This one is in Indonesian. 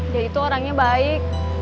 ya itu orangnya baik